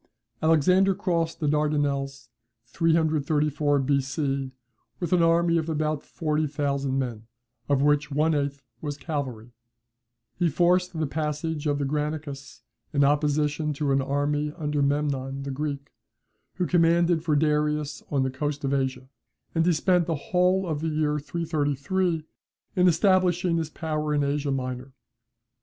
"Alexander crossed the Dardanelles 334 B.C. with an army of about forty thousand men, of which one eighth was cavalry; he forced the passage of the Granicus in opposition to an army under Memnon, the Greek, who commanded for Darius on the coast of Asia, and he spent the whole of the year 333 in establishing his power in Asia Minor.